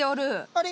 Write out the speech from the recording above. あれ？